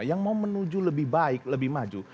yang mau menuju lebih baik lebih maju